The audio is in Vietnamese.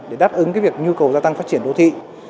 để đáp ứng cái việc nhu cầu gia tăng phát triển đô thị